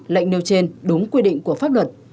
lệnh nêu trên đúng quy định của pháp luật